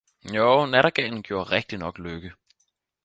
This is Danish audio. Jo, nattergalen gjorde rigtignok lykke